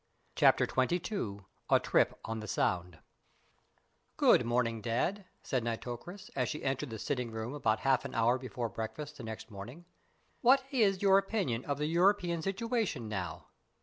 CHAPTER XXII A TRIP ON THE SOUND "Good morning, Dad," said Nitocris, as she entered the sitting room about half an hour before breakfast the next morning. "What is your opinion of the European situation now?"